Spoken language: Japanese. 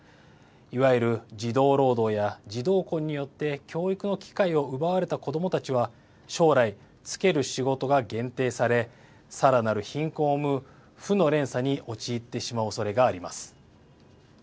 いわゆる児童労働や児童婚によって教育の機会を奪われた子どもたちは将来、就ける仕事が限定されさらなる貧困を生む負の連鎖に陥ってしまうおそれがあります。